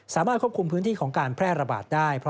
สามารถควบคุมพื้นที่ของการแพร่ระบาดได้